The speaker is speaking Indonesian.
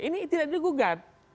ini tidak digugat